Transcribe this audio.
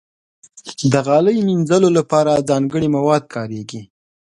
د غالۍ مینځلو لپاره ځانګړي مواد کارېږي.